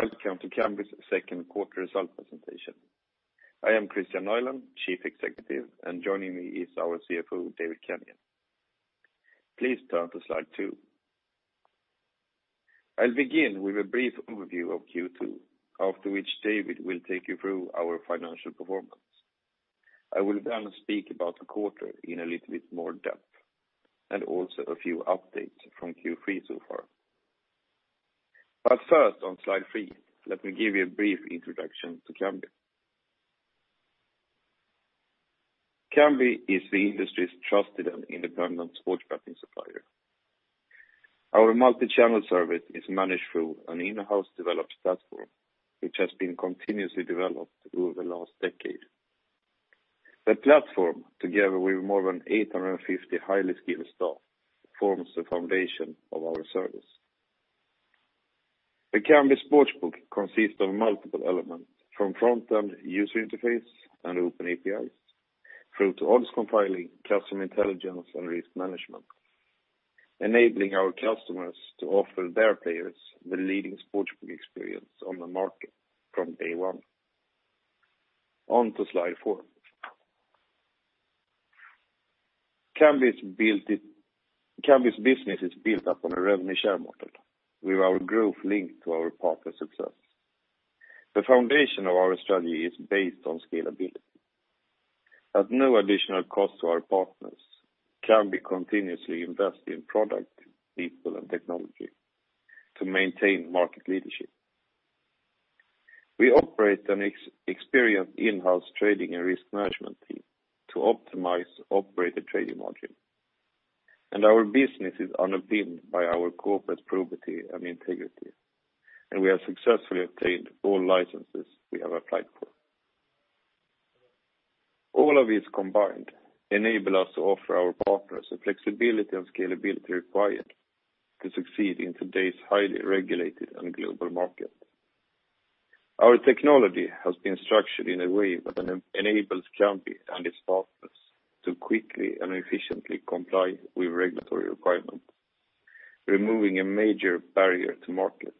Welcome to Kambi's second quarter result presentation. I am Kristian Nylén, Chief Executive, and joining me is our CFO, David Kenyon. Please turn to Slide two. I'll begin with a brief overview of Q2, after which David will take you through our financial performance. I will then speak about the quarter in a little bit more depth, and also a few updates from Q3 so far. First on Slide three, let me give you a brief introduction to Kambi. Kambi is the industry's trusted and independent sports betting supplier. Our multi-channel service is managed through an in-house developed platform, which has been continuously developed over the last decade. The platform, together with more than 850 highly skilled staff, forms the foundation of our service. The Kambi Sportsbook consists of multiple elements, from front-end user interface and open APIs, through to odds compiling, customer intelligence, and risk management, enabling our customers to offer their players the leading sportsbook experience on the market from day one. On to Slide four. Kambi's business is built upon a revenue share model, with our growth linked to our partners' success. The foundation of our strategy is based on scalability. At no additional cost to our partners, Kambi continuously invest in product, people, and technology to maintain market leadership. We operate an experienced in-house trading and risk management team to optimize operator trading margin. Our business is underpinned by our corporate probity and integrity, and we have successfully obtained all licenses we have applied for. All of this combined enable us to offer our partners the flexibility and scalability required to succeed in today's highly regulated and global market. Our technology has been structured in a way that enables Kambi and its partners to quickly and efficiently comply with regulatory requirements, removing a major barrier to market,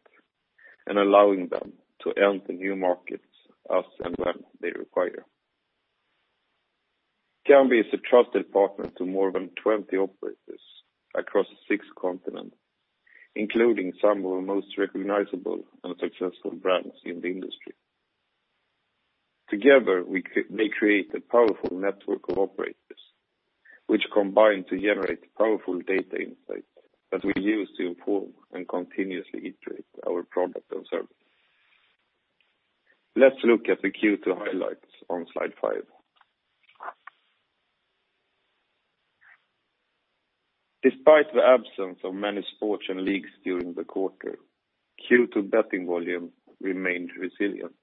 and allowing them to enter new markets as and when they require. Kambi is a trusted partner to more than 20 operators across six continents, including some of the most recognizable and successful brands in the industry. Together, they create a powerful network of operators, which combine to generate powerful data insights that we use to inform and continuously iterate our product and service. Let's look at the Q2 highlights on slide five. Despite the absence of many sports and leagues during the quarter, Q2 betting volume remained resilient,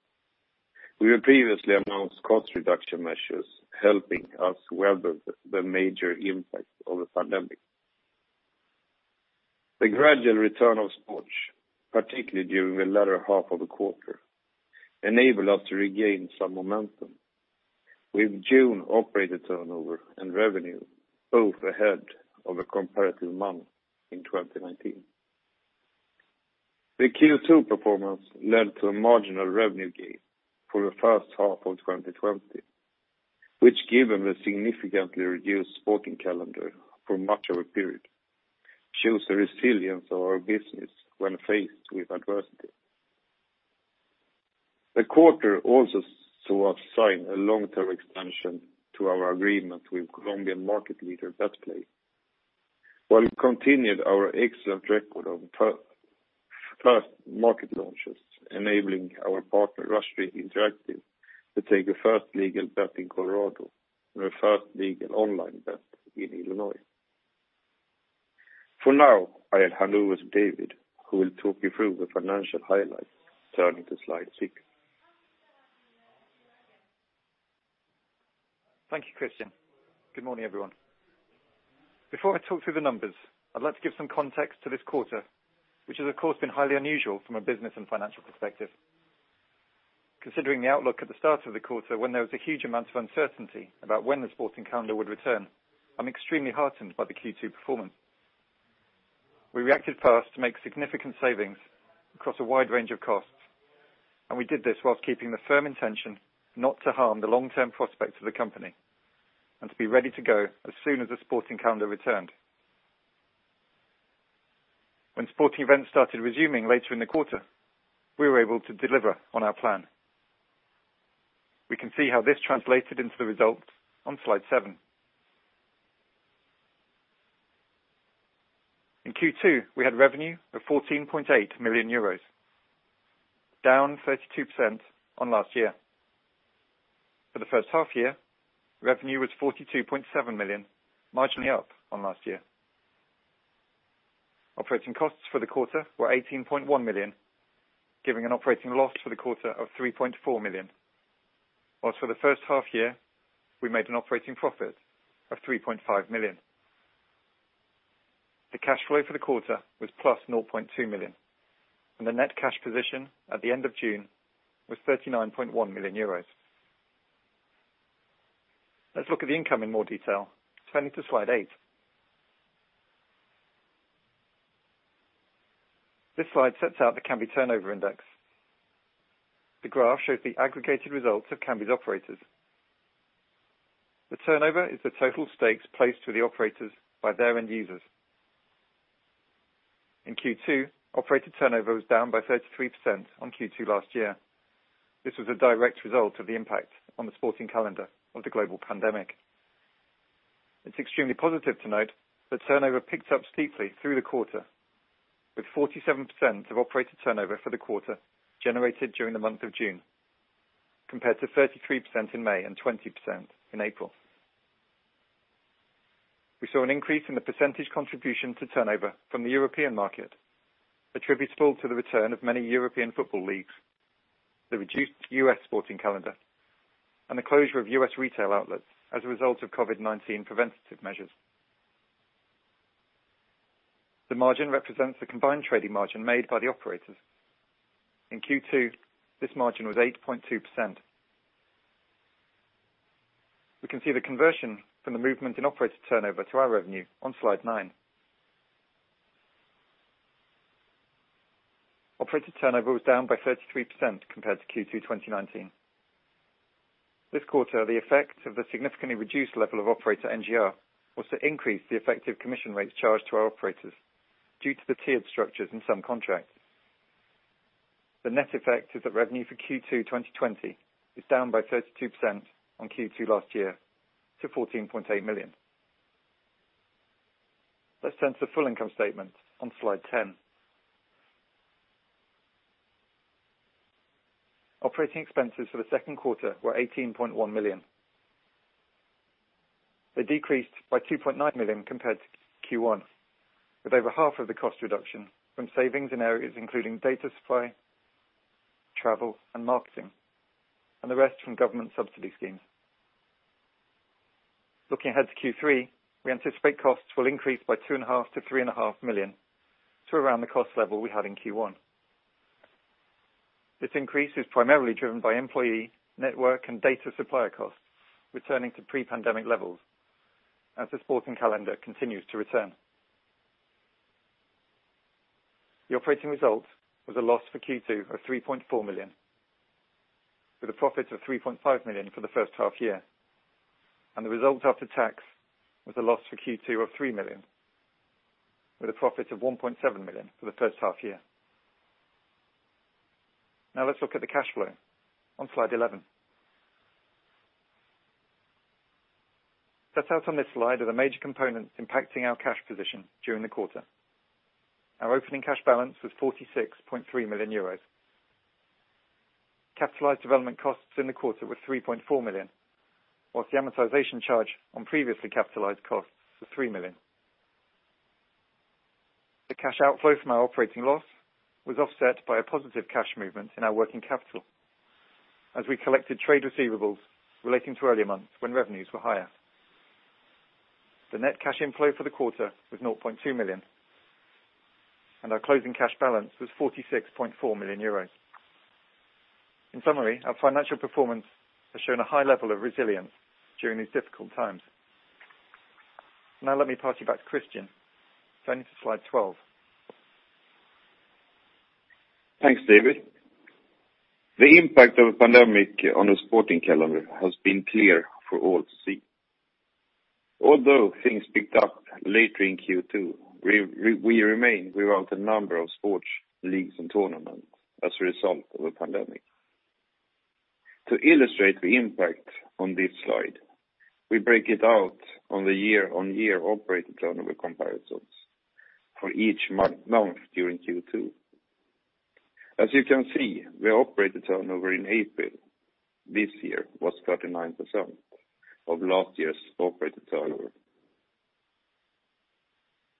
with our previously announced cost reduction measures helping us weather the major impact of the pandemic. The gradual return of sports, particularly during the latter half of the quarter, enabled us to regain some momentum, with June operator turnover and revenue both ahead of the comparative month in 2019. The Q2 performance led to a marginal revenue gain for the first half of 2020, which given the significantly reduced sporting calendar for much of the period, shows the resilience of our business when faced with adversity. The quarter also saw us sign a long-term extension to our agreement with Colombian market leader BetPlay, while we continued our excellent record on first market launches, enabling our partner Rush Street Interactive to take the first legal bet in Colorado and the first legal online bet in Illinois. For now, I'll hand over to David, who will talk you through the financial highlights, turning to slide six. Thank you, Kristian. Good morning, everyone. Before I talk through the numbers, I'd like to give some context to this quarter, which has, of course, been highly unusual from a business and financial perspective. Considering the outlook at the start of the quarter, when there was a huge amount of uncertainty about when the sporting calendar would return, I'm extremely heartened by the Q2 performance. We reacted fast to make significant savings across a wide range of costs, and we did this whilst keeping the firm intention not to harm the long-term prospects of the company, and to be ready to go as soon as the sporting calendar returned. When sporting events started resuming later in the quarter, we were able to deliver on our plan. We can see how this translated into the results on slide seven. In Q2, we had revenue of 14.8 million euros, down 32% on last year. For the first half year, revenue was 42.7 million, marginally up on last year. Operating costs for the quarter were 18.1 million, giving an operating loss for the quarter of 3.4 million. While for the first half year, we made an operating profit of 3.5 million. The cash flow for the quarter was plus 0.2 million, and the net cash position at the end of June was 39.1 million euros. Let's look at the income in more detail. Turning to slide eight. This slide sets out the Kambi turnover index. The graph shows the aggregated results of Kambi's operators. The turnover is the total stakes placed to the operators by their end users. In Q2, operator turnover was down by 33% on Q2 last year. This was a direct result of the impact on the sporting calendar of the global pandemic. It's extremely positive to note that turnover picked up steeply through the quarter, with 47% of operator turnover for the quarter generated during the month of June, compared to 33% in May and 20% in April. We saw an increase in the percentage contribution to turnover from the European market, attributable to the return of many European football leagues, the reduced U.S. sporting calendar, and the closure of U.S. retail outlets as a result of COVID-19 preventative measures. The margin represents the combined trading margin made by the operators. In Q2, this margin was 8.2%. We can see the conversion from the movement in operator turnover to our revenue on slide nine. Operator turnover was down by 33% compared to Q2 2019. This quarter, the effect of the significantly reduced level of operator NGR was to increase the effective commission rates charged to our operators due to the tiered structures in some contracts. The net effect is that revenue for Q2 2020 is down by 32% on Q2 last year to 14.8 million. Let's turn to the full income statement on slide 10. Operating expenses for the second quarter were 18.1 million. They decreased by 2.9 million compared to Q1, with over half of the cost reduction from savings in areas including data supply, travel, and marketing, and the rest from government subsidy schemes. Looking ahead to Q3, we anticipate costs will increase by 2.5 million-3.5 million, to around the cost level we had in Q1. This increase is primarily driven by employee, network, and data supplier costs returning to pre-pandemic levels as the sporting calendar continues to return. The operating result was a loss for Q2 of 3.4 million, with a profit of 3.5 million for the first half year. The result after tax was a loss for Q2 of 3 million, with a profit of 1.7 million for the first half year. Let's look at the cash flow on slide 11. Set out on this slide are the major components impacting our cash position during the quarter. Our opening cash balance was 46.3 million euros. Capitalized development costs in the quarter were 3.4 million, whilst the amortization charge on previously capitalized costs was 3 million. The cash outflow from our operating loss was offset by a positive cash movement in our working capital as we collected trade receivables relating to earlier months when revenues were higher. The net cash inflow for the quarter was 0.2 million, and our closing cash balance was €46.4 million. In summary, our financial performance has shown a high level of resilience during these difficult times. Now let me pass you back to Kristian. Turning to slide 12. Thanks, David. The impact of the pandemic on the sporting calendar has been clear for all to see. Although things picked up later in Q2, we remain without a number of sports leagues and tournaments as a result of the pandemic. To illustrate the impact on this slide, we break it out on the year-on-year operator turnover comparisons for each month during Q2. As you can see, the operator turnover in April this year was 39% of last year's operator turnover.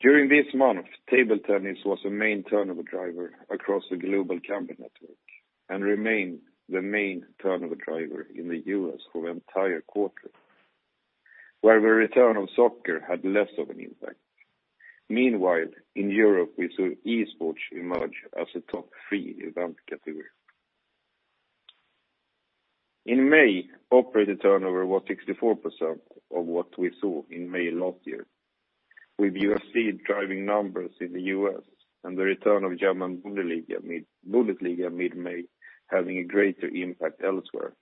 During this month, table tennis was a main turnover driver across the global Kambi network and remained the main turnover driver in the U.S. for the entire quarter, where the return of soccer had less of an impact. Meanwhile, in Europe, we saw esports emerge as a top three event category. In May, operator turnover was 64% of what we saw in May last year, with UFC driving numbers in the U.S. and the return of German Bundesliga mid-May having a greater impact elsewhere.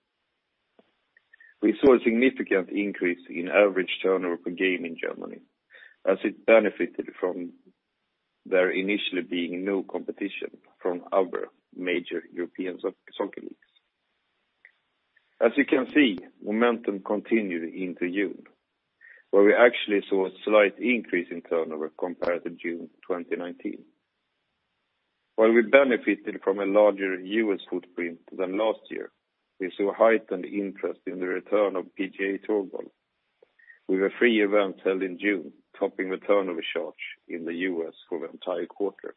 We saw a significant increase in average turnover per game in Germany as it benefited from there initially being no competition from other major European soccer leagues. As you can see, momentum continued into June, where we actually saw a slight increase in turnover compared to June 2019. While we benefited from a larger U.S. footprint than last year, we saw heightened interest in the return of PGA Tour golf, with the three events held in June topping the turnover charts in the U.S. for the entire quarter.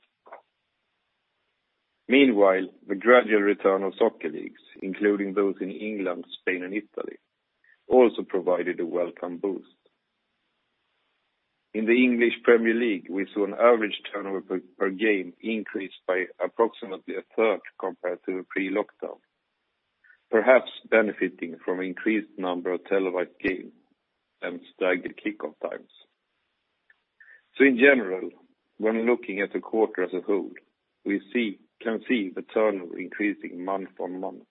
Meanwhile, the gradual return of soccer leagues, including those in England, Spain, and Italy, also provided a welcome boost. In the English Premier League, we saw an average turnover per game increase by approximately a third compared to pre-lockdown. Perhaps benefiting from increased number of televised games and staggered kick-off times. In general, when looking at the quarter as a whole, we can see the turnover increasing month-on-month,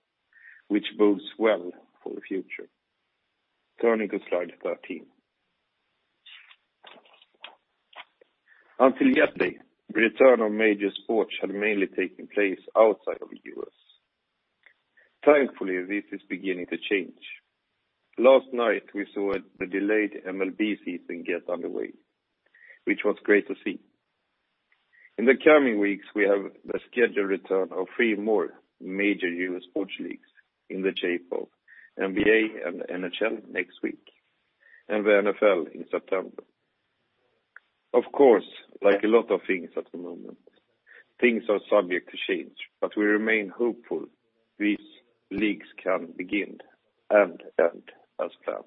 which bodes well for the future. Turning to slide 13. Until lately, the return of major sports had mainly taken place outside of the U.S. Thankfully, this is beginning to change. Last night we saw the delayed MLB season get underway, which was great to see. In the coming weeks, we have the scheduled return of three more major U.S. sports leagues in the shape of NBA and NHL next week, and the NFL in September. Of course, like a lot of things at the moment, things are subject to change, but we remain hopeful these leagues can begin and end as planned.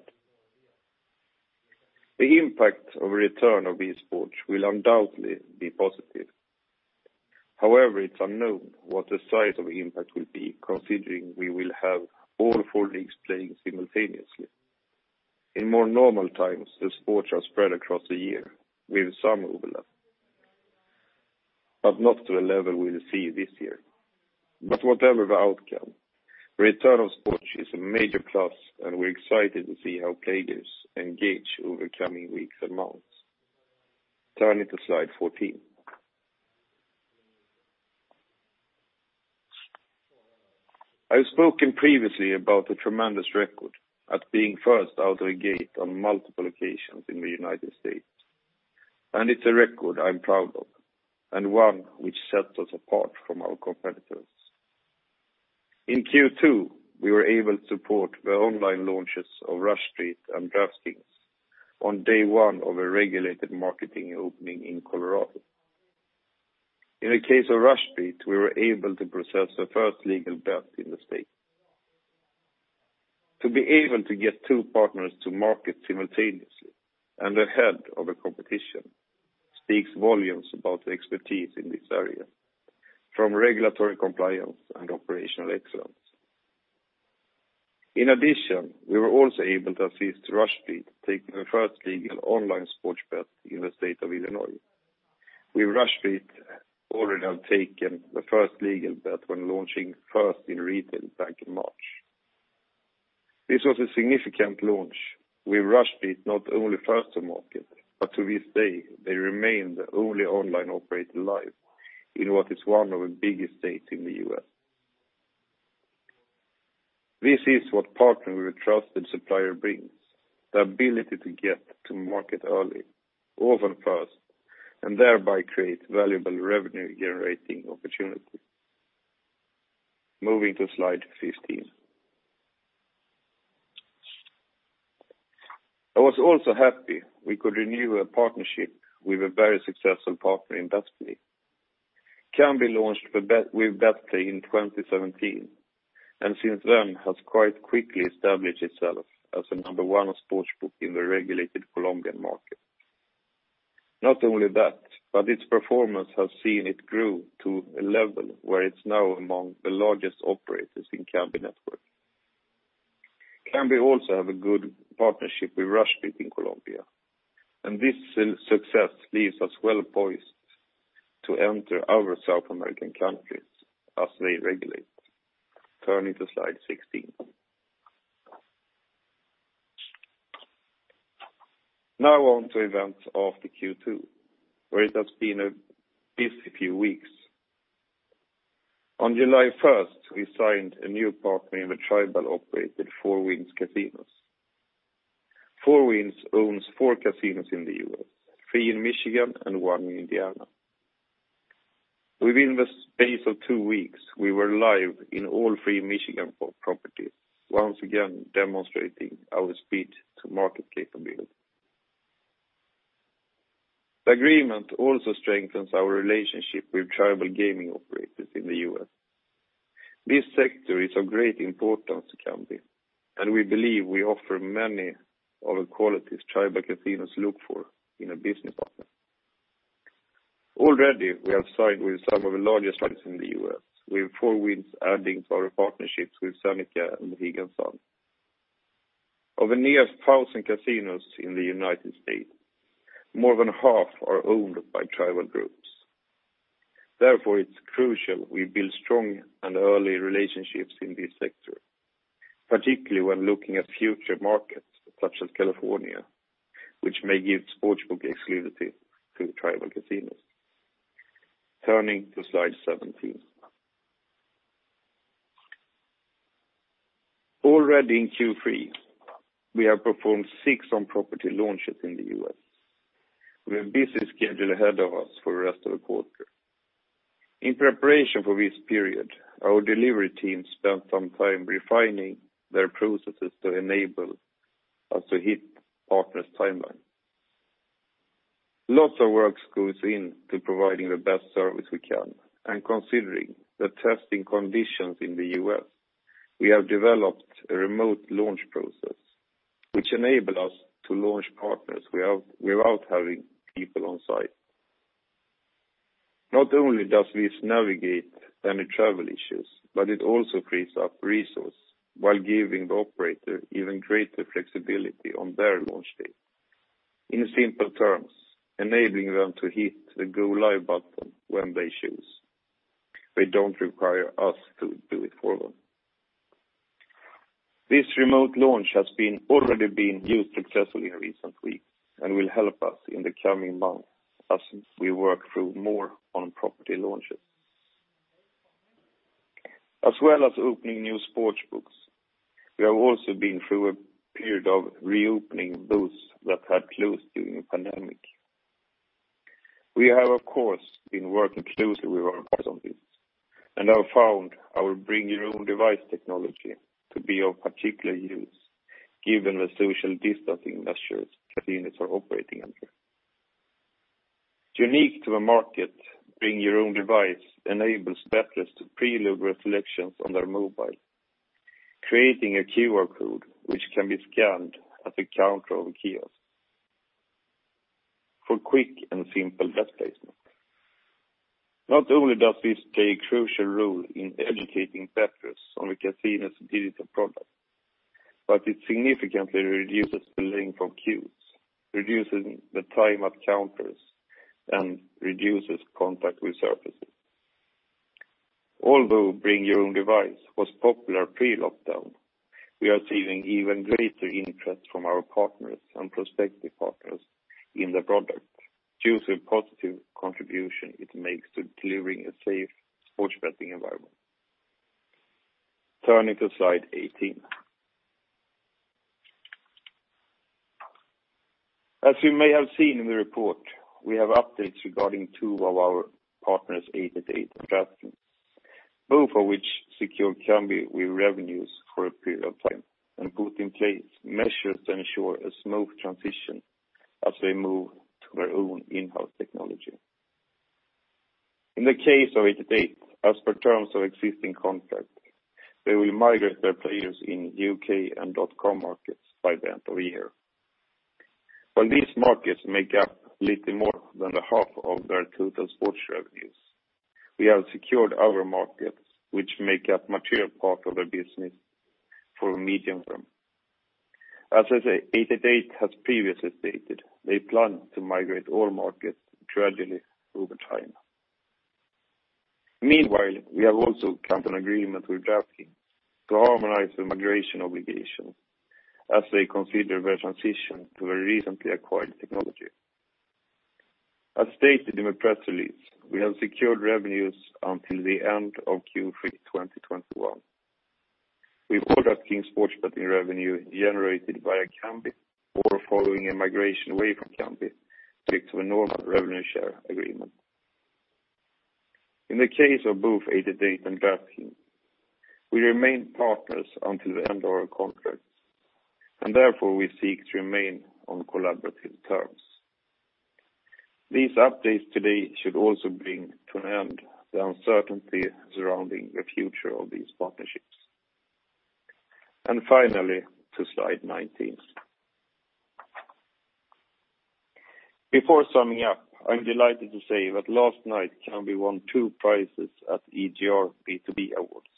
The impact of return of these sports will undoubtedly be positive. However, it's unknown what the size of impact will be, considering we will have all four leagues playing simultaneously. In more normal times, the sports are spread across the year with some overlap, but not to a level we'll see this year. Whatever the outcome, return of sports is a major plus and we're excited to see how players engage over the coming weeks and months. Turning to slide 14. I've spoken previously about the tremendous record at being first out of the gate on multiple occasions in the U.S., and it's a record I'm proud of, and one which sets us apart from our competitors. In Q2, we were able to support the online launches of Rush Street and DraftKings on day one of a regulated marketing opening in Colorado. In the case of Rush Street, we were able to process the first legal bet in the state. To be able to get two partners to market simultaneously and ahead of the competition speaks volumes about the expertise in this area, from regulatory compliance and operational excellence. In addition, we were also able to assist Rush Street take the first legal online sports bet in the state of Illinois, with Rush Street already have taken the first legal bet when launching first in retail back in March. This was a significant launch with Rush Street, not only first to market, but to this day, they remain the only online operator live in what is one of the biggest states in the U.S. This is what partnering with a trusted supplier brings, the ability to get to market early, often first, and thereby create valuable revenue-generating opportunities. Moving to slide 15. I was also happy we could renew a partnership with a very successful partner in BetPlay. Kambi launched with BetPlay in 2017, and since then has quite quickly established itself as the number one sportsbook in the regulated Colombian market. Not only that, its performance has seen it grow to a level where it's now among the largest operators in Kambi network. Kambi also have a good partnership with Rush Street in Colombia. This success leaves us well-poised to enter other South American countries as they regulate. Turning to slide 16. Now on to events after Q2, where it has been a busy few weeks. On July 1st, we signed a new partner in the tribal-operated Four Winds Casinos. Four Winds owns four casinos in the U.S., three in Michigan and one in Indiana. Within the space of two weeks, we were live in all three Michigan Four properties, once again demonstrating our speed to market capability. The agreement also strengthens our relationship with tribal gaming operators in the U.S. This sector is of great importance to Kambi. We believe we offer many of the qualities tribal casinos look for in a business partner. Already, we have signed with some of the largest tribes in the U.S., with Four Winds adding to our partnerships with Seneca and Mohegan Sun. Of the nearly a thousand casinos in the United States, more than half are owned by tribal groups. It's crucial we build strong and early relationships in this sector, particularly when looking at future markets such as California, which may give sportsbook exclusivity to tribal casinos. Turning to slide 17. Already in Q3, we have performed six on-property launches in the U.S. We have a busy schedule ahead of us for the rest of the quarter. In preparation for this period, our delivery team spent some time refining their processes to enable us to hit partners' timelines. Lots of work goes in to providing the best service we can, and considering the testing conditions in the U.S., we have developed a remote launch process, which enable us to launch partners without having people on site. Not only does this navigate any travel issues, but it also frees up resource while giving the operator even greater flexibility on their launch date. In simple terms, enabling them to hit the go live button when they choose. They don't require us to do it for them. This remote launch has already been used successfully in recent weeks and will help us in the coming months as we work through more on property launches. As well as opening new sportsbooks, we have also been through a period of reopening those that had closed during the pandemic. We have, of course, been working closely with our partners on this, and have found our Bring Your Own Device technology to be of particular use given the social distancing measures casinos are operating under. Unique to the market, Bring Your Own Device enables betters to preload selections on their mobile, creating a QR code, which can be scanned at the counter or kiosk for quick and simple bet placement. Not only does this play a crucial role in educating betters on the casino's digital product, but it significantly reduces the length of queues, reduces the time at counters, and reduces contact with surfaces. Although Bring Your Own Device was popular pre-lockdown, we are seeing even greater interest from our partners and prospective partners in the product due to the positive contribution it makes to delivering a safe sports betting environment. Turning to slide 18. As you may have seen in the report, we have updates regarding two of our partners, 888 and DraftKings, both of which secure Kambi with revenues for a period of time and put in place measures to ensure a smooth transition as they move to their own in-house technology. In the case of 888, as per terms of existing contract, they will migrate their players in U.K. and .com markets by the end of the year. While these markets make up little more than the half of their total sports revenues, we have secured our markets, which make up a material part of their business for the medium-term. As I say, 888 has previously stated they plan to migrate all markets gradually over time. We have also come to an agreement with DraftKings to harmonize the migration obligation as they consider their transition to their recently acquired technology. As stated in the press release, we have secured revenues until the end of Q3 2021. With all DraftKings sports betting revenue generated via Kambi, or following a migration away from Kambi, take to a normal revenue share agreement. In the case of both 888 and DraftKings, we remain partners until the end of our contracts, and therefore we seek to remain on collaborative terms. These updates today should also bring to an end the uncertainty surrounding the future of these partnerships. Finally, to slide 19. Before summing up, I'm delighted to say that last night Kambi won two prizes at EGR B2B Awards,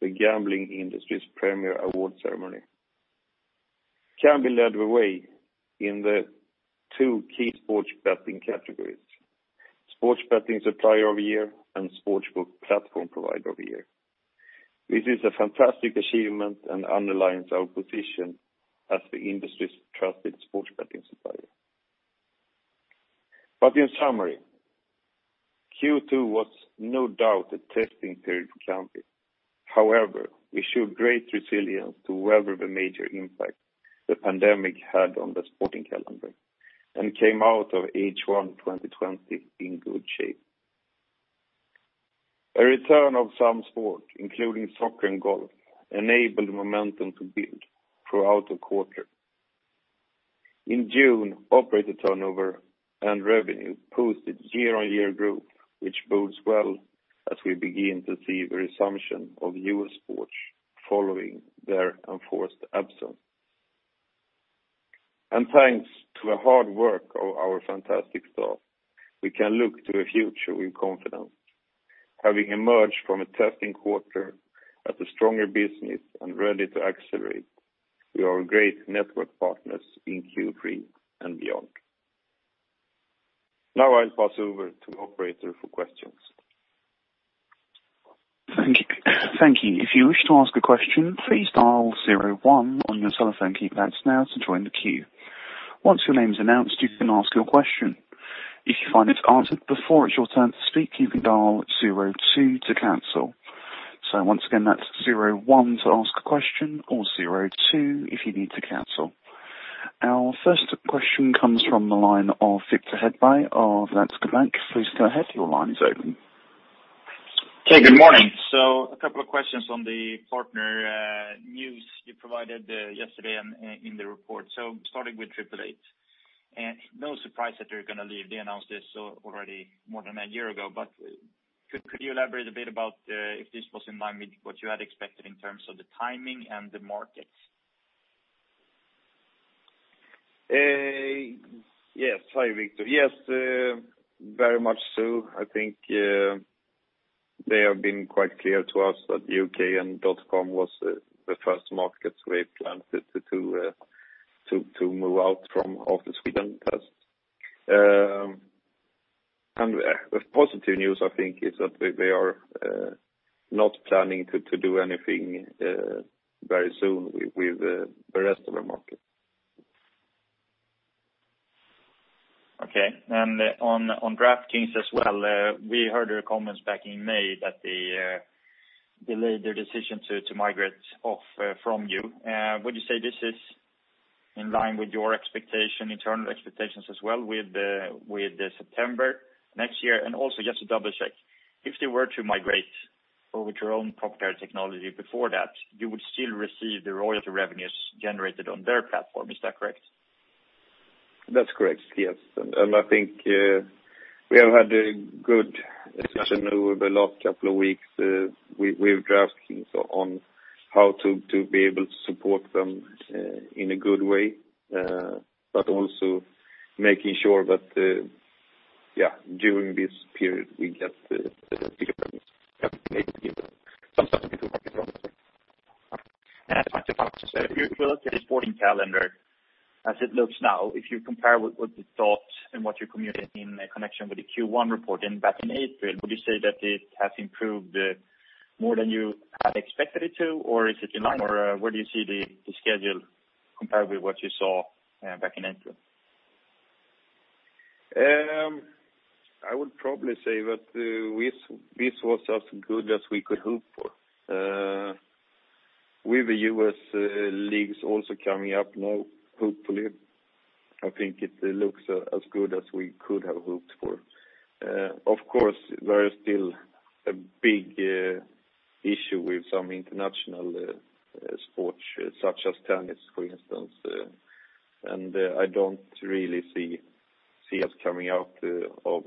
the gambling industry's premier award ceremony. Kambi led the way in the two key sports betting categories: sports betting supplier of the year and sportsbook platform provider of the year. This is a fantastic achievement and underlines our position as the industry's trusted sports betting supplier. In summary, Q2 was no doubt a testing period for Kambi. However, we showed great resilience to weather the major impact the pandemic had on the sporting calendar, and came out of H1 2020 in good shape. A return of some sport, including soccer and golf, enabled momentum to build throughout the quarter. In June, operator turnover and revenue posted year-on-year growth, which bodes well as we begin to see the resumption of U.S. sports following their enforced absence. Thanks to the hard work of our fantastic staff, we can look to the future with confidence, having emerged from a testing quarter as a stronger business and ready to accelerate with our great network partners in Q3 and beyond. Now I'll pass over to operator for questions. Thank you. If you wish to ask a question, please dial zero one on your cellphone keypads now to join the queue. Once your name is announced, you can ask your question. If you find it answered before it's your turn to speak, you can dial zero two to cancel. Once again, that's zero one to ask a question or zero two if you need to cancel. Our first question comes from the line of Viktor Hedberg of Swedbank. Please go ahead. Your line is open. Okay, good morning. A couple of questions on the partner provided yesterday in the report. Starting with 888. No surprise that they're going to leave. They announced this already more than a year ago. Could you elaborate a bit about if this was in line with what you had expected in terms of the timing and the markets? Yes. Hi, Viktor. Yes, very much so. I think they have been quite clear to us that U.K. and dot-com was the first markets we had planned to move out from of the Sweden test. The positive news, I think, is that they are not planning to do anything very soon with the rest of the market. Okay. On DraftKings as well, we heard your comments back in May that they delayed their decision to migrate off from you. Would you say this is in line with your expectation, internal expectations as well with September next year? Also just to double-check, if they were to migrate over to your own proprietary technology before that, you would still receive the royalty revenues generated on their platform. Is that correct? That's correct. Yes. I think we have had a good discussion over the last couple of weeks with DraftKings on how to be able to support them in a good way. Also making sure that, yeah, during this period, we get the If you look at the sporting calendar as it looks now, if you compare with the thoughts and what you communicated in connection with the Q1 report and back in April, would you say that it has improved more than you had expected it to? Or is it in line, or where do you see the schedule compared with what you saw back in April? I would probably say that this was as good as we could hope for. With the U.S. leagues also coming up now, hopefully, I think it looks as good as we could have hoped for. Of course, there is still a big issue with some international sports, such as tennis, for instance. I don't really see us coming out of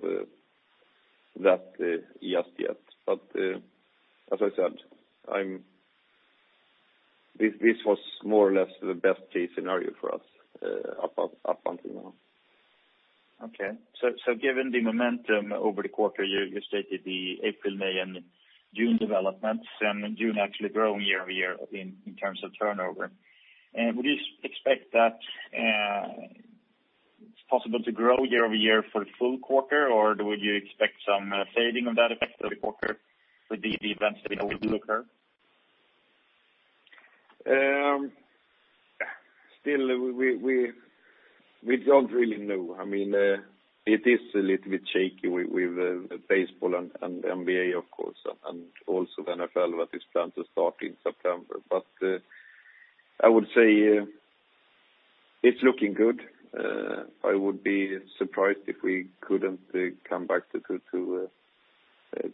that just yet. As I said, this was more or less the best-case scenario for us up until now. Given the momentum over the quarter, you stated the April, May, and June developments, and June actually growing year-over-year in terms of turnover. Would you expect that it's possible to grow year-over-year for the full quarter, or would you expect some fading of that effect every quarter with the events that we know will occur? Still, we don't really know. It is a little bit shaky with Major League Baseball and NBA, of course, and also NFL that is planned to start in September. I would say it's looking good. I would be surprised if we couldn't come back to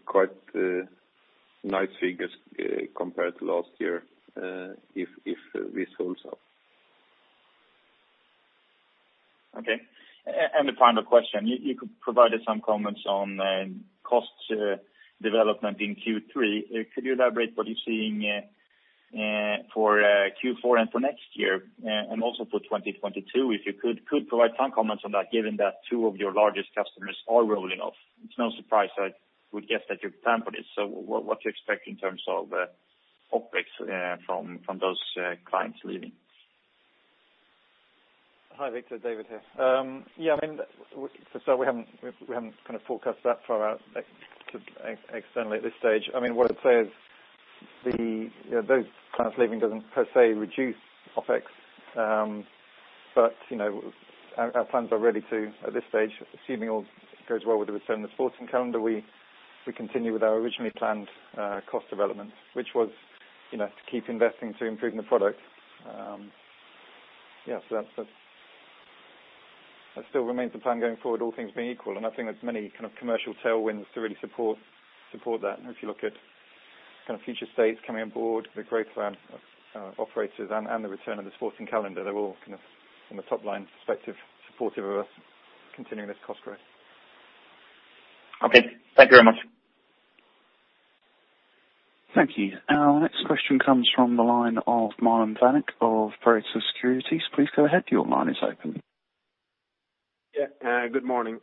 quite nice figures compared to last year if this holds up. Okay. The final question, you provided some comments on costs development in Q3. Could you elaborate what you're seeing for Q4 and for next year, and also for 2022, if you could provide some comments on that, given that two of your largest customers are rolling off? It's no surprise. I would guess that you've planned for this. What do you expect in terms of OpEx from those clients leaving? Hi, Viktor. David here. Yeah, we haven't forecast that far out externally at this stage. What I'd say is those clients leaving doesn't per se reduce OpEx. Our plans are ready to, at this stage, assuming all goes well with the return of the sporting calendar, we continue with our originally planned cost development, which was to keep investing to improving the product. Yeah, that still remains the plan going forward, all things being equal, and I think there's many kind of commercial tailwinds to really support that. If you look at kind of future states coming on board, the growth plan of operators and the return of the sporting calendar, they're all kind of from a top-line perspective, supportive of us continuing this cost growth. Okay. Thank you very much. Thank you. Our next question comes from the line of Marlon Varnik of Berenberg Securities. Please go ahead, your line is open. Yeah, good morning.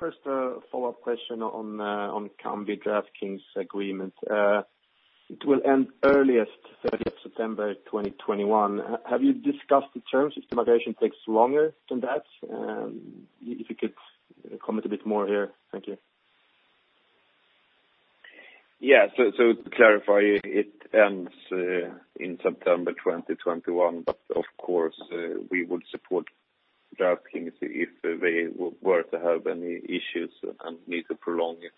First a follow-up question on Kambi-DraftKings agreement. It will end earliest 30th September 2021. Have you discussed the terms if the migration takes longer than that? If you could comment a bit more here. Thank you. Yeah. To clarify, it ends in September 2021, but of course, we would support DraftKings if they were to have any issues and need to prolong it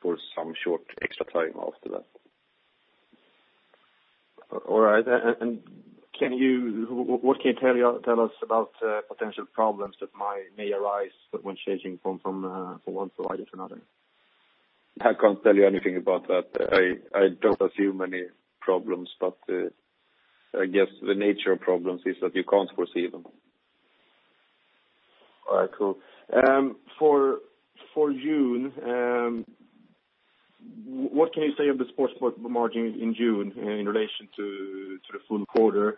for some short extra time after that. All right. What can you tell us about potential problems that may arise when changing from one provider to another? I can't tell you anything about that. I don't assume any problems, but I guess the nature of problems is that you can't foresee them. All right, cool. For June, what can you say of the sportsbook margin in June in relation to the full quarter?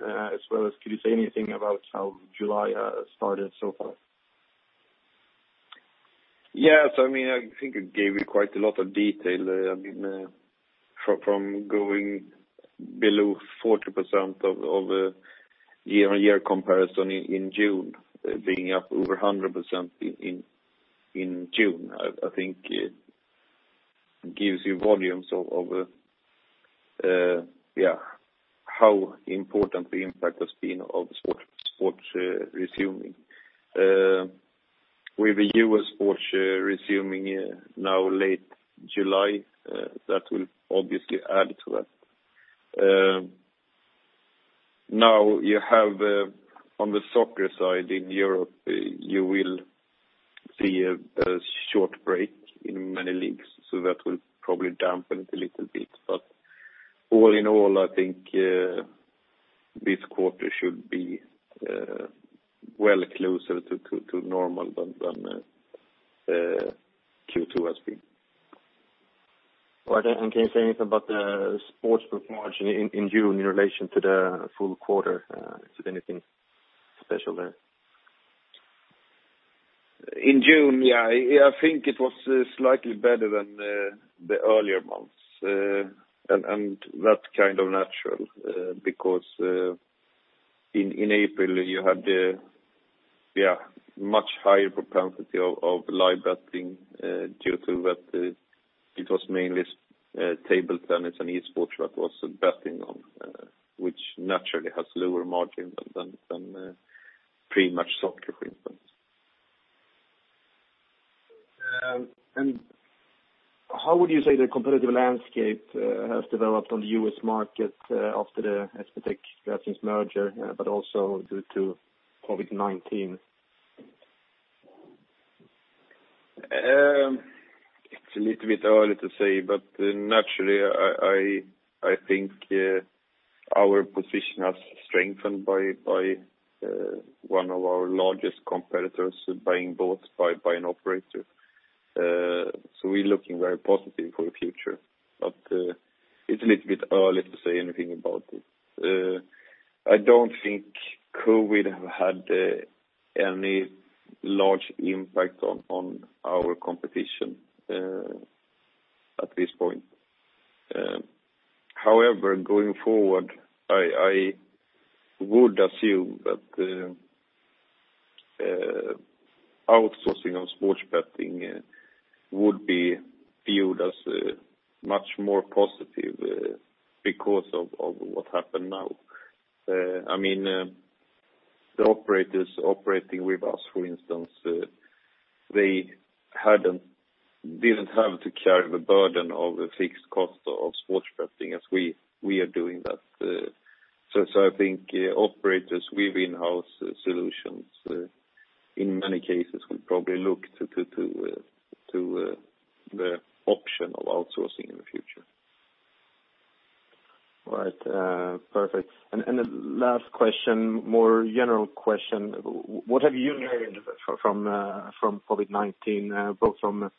Can you say anything about how July started so far? Yes. I think I gave you quite a lot of detail. From going below 40% of year-on-year comparison in June, being up over 100% in June. I think it gives you volumes of how important the impact has been of the sports resuming. With the U.S. sports resuming now late July, that will obviously add to that. On the soccer side in Europe, you will see a short break in many leagues. That will probably dampen it a little bit. All in all, I think this quarter should be well closer to normal than Q2 has been. Right. Can you say anything about the sportsbook margin in June in relation to the full quarter? Is it anything special there? In June, yeah. I think it was slightly better than the earlier months. That's kind of natural, because in April you had much higher propensity of live betting due to that it was mainly table tennis and esports that was betting on, which naturally has lower margins than pretty much soccer, for instance. How would you say the competitive landscape has developed on the U.S. market after the SBTech licensing merger, but also due to COVID-19? It's a little bit early to say, naturally, I think our position has strengthened by one of our largest competitors being bought by an operator. We're looking very positive for the future. It's a little bit early to say anything about it. I don't think COVID have had any large impact on our competition at this point. However, going forward, I would assume that outsourcing of sports betting would be viewed as much more positive because of what happened now. The operators operating with us, for instance, they didn't have to carry the burden of the fixed cost of sports betting as we are doing that. I think operators with in-house solutions, in many cases could probably look to the option of outsourcing in the future. Right. Perfect. The last question, more general question. What have you learned from COVID-19, both from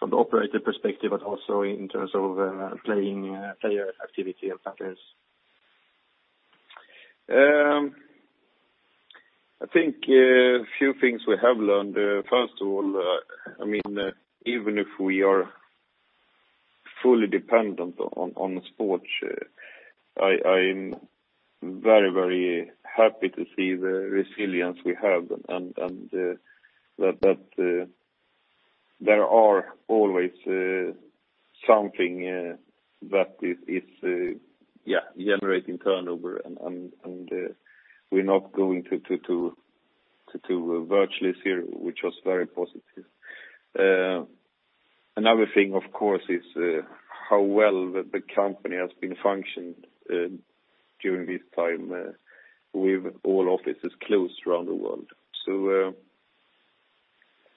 the operator perspective, but also in terms of player activity and patterns? I think a few things we have learned. First of all, even if we are fully dependent on sports, I am very, very happy to see the resilience we have and that there are always something that is generating turnover, and we're not going to virtually zero, which was very positive. Another thing, of course, is how well the company has been functioned during this time with all offices closed around the world.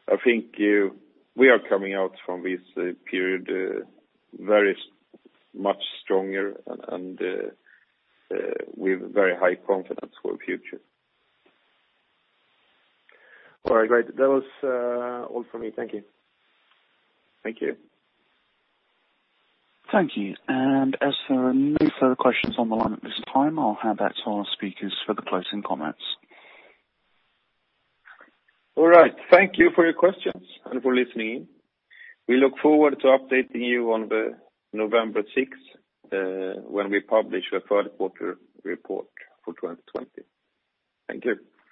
I think we are coming out from this period very much stronger and with very high confidence for the future. All right, great. That was all for me. Thank you. Thank you. Thank you. As there are no further questions on the line at this time, I'll hand back to our speakers for the closing comments. All right. Thank you for your questions and for listening in. We look forward to updating you on November 6th, when we publish our third quarter report for 2020. Thank you.